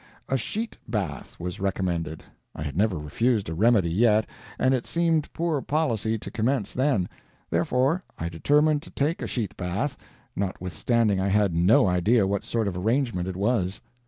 A sheet bath was recommended. I had never refused a remedy yet, and it seemed poor policy to commence then; therefore I determined to take a sheet bath, notwithstanding I had no idea what sort of arrangement it was.